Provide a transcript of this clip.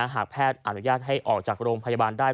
หากแพทย์อนุญาตให้ออกจากโรงพยาบาลได้